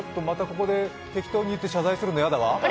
またここで適当に言って謝罪するの嫌だわ。